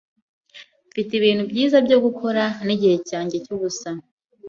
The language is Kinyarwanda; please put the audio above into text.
Mfite ibintu byiza byo gukora nigihe cyanjye cyubusa.